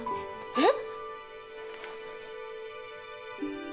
えっ！？